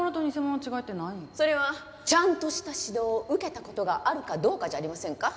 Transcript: それはちゃんとした指導を受けた事があるかどうかじゃありませんか？